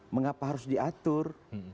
mengapa harus diatur